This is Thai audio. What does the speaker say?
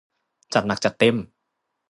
จัดหนักจัดเต็ม!